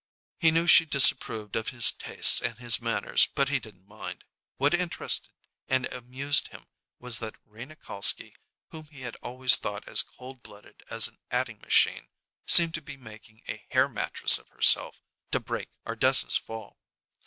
He knew she disapproved of his tastes and his manners, but he didn't mind. What interested and amused him was that Rena Kalski, whom he had always thought as cold blooded as an adding machine, seemed to be making a hair mattress of herself to break Ardessa's fall.